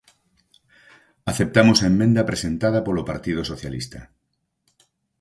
Aceptamos a emenda presentada polo Partido Socialista.